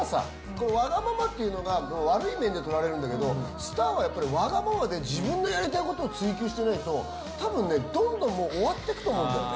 こうわがままっていうのが悪い面でとられるんだけどスターはやっぱりわがままで自分のやりたいことを追求してないと多分ねどんどんもう終わってくと思うんだよね